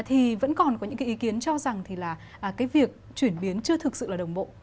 thì vẫn còn có những cái ý kiến cho rằng thì là cái việc chuyển biến chưa thực sự là đồng bộ